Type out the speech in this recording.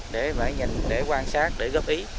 để quan sát để góp ý